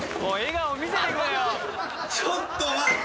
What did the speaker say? ちょっと待って。